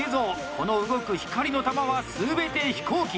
この動く光の玉は全て飛行機。